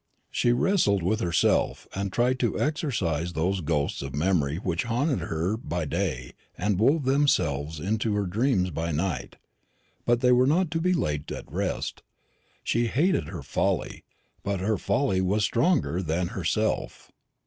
She wrestled with herself, and tried to exorcise those ghosts of memory which haunted her by day and wove themselves into her dreams by night; but they were not to be laid at rest. She hated her folly; but her folly was stronger than herself.